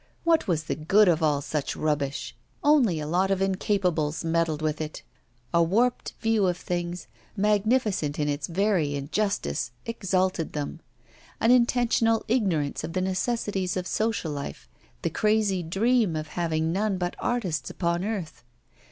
What was the good of all such rubbish? Only a lot of incapables meddled with it. A warped view of things, magnificent in its very injustice, exalted them; an intentional ignorance of the necessities of social life, the crazy dream of having none but artists upon earth.